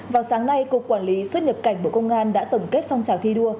vào sáng nay cục quản lý xuất nhập cảnh bộ công an đã tổng kết phong trào thi đua